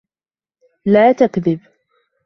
لَا تَكْذِبْ.